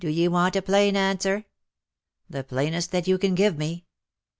\)" Do ye want a plain answer ?''" The plainest that you can give me."